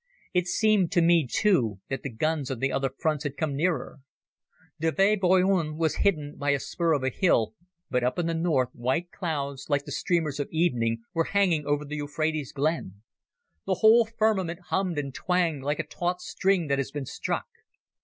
It seemed to me, too, that the guns on the other fronts had come nearer. Deve Boyun was hidden by a spur of hill, but up in the north, white clouds, like the streamers of evening, were hanging over the Euphrates glen. The whole firmament hummed and twanged like a taut string that has been struck